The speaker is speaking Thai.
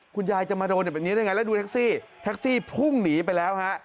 คุณยายจะมาโดนแบบนี้ได้ไงแล้วดูแท็กซี่แท็กซี่พุ่งหนีไปแล้วฮะ